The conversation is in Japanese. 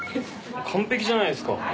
完璧じゃないですか。